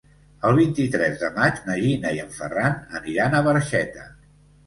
El vint-i-tres de maig na Gina i en Ferran aniran a Barxeta.